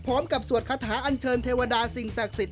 พร้อมกับสวดคาถาอัญเชิญเทวดาสิงห์ศักดิ์สิทธิ์